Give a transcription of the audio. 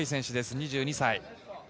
２２歳。